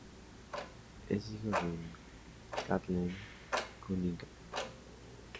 Es hijo de Kathleen Cunningham.